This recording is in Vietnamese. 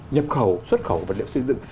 nhập khẩu xuất khẩu vật liệu xây dựng